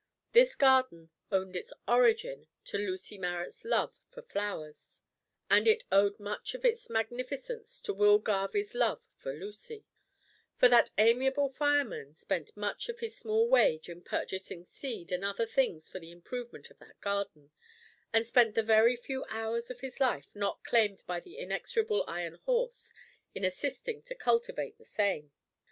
This garden owed its origin to Lucy Marrot's love for flowers, and it owed much of its magnificence to Will Garvie's love for Lucy; for that amiable fireman spent much of his small wage in purchasing seed and other things for the improvement of that garden, and spent the very few hours of his life, not claimed by the inexorable iron horse, in assisting to cultivate the same.